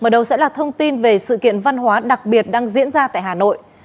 mở đầu sẽ là thông tin về sự kiện văn hóa đặc biệt đang diễn ra tại hà nội